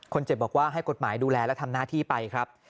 เจ็บบอกว่าให้กฎหมายดูแลและทำหน้าที่ไปครับ